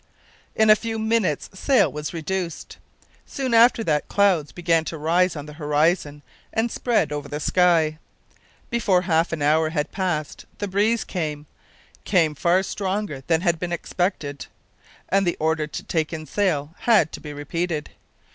In a few minutes sail was reduced. Soon after that clouds began to rise on the horizon and spread over the sky. Before half an hour had passed the breeze came came far stronger than had been expected and the order to take in sail had to be repeated.